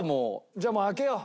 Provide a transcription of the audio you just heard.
じゃあもう開けよう。